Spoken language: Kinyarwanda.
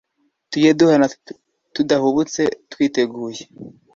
tujye duhana tudahubutse, twiteguye